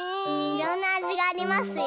いろんなあじがありますよ。